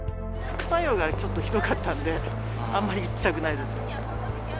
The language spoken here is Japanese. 副作用がちょっとひどかったんで、あんまり打ちたくないです。